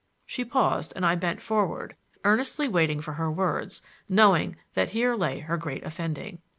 she paused and I bent forward, earnestly waiting for her words, knowing that here lay her great offending.